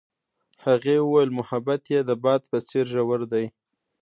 هغې وویل محبت یې د باد په څېر ژور دی.